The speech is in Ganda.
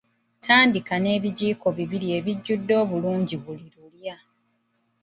Tandika n'ebijiiko bibiri ebijjudde obulungi buli lulya.